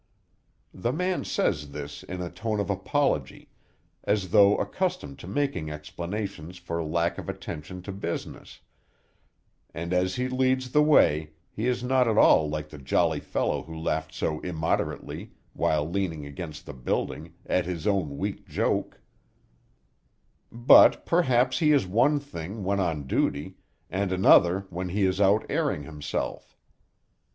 The man says this in a tone of apology, as though accustomed to making explanations for lack of attention to business; and as he leads the way he is not at all like the jolly fellow who laughed so immoderately, while leaning against the building, at his own weak joke; but perhaps he is one thing when on duty, and another when he is out airing himself.